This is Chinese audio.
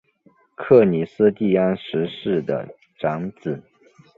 克里斯蒂安十世的长子。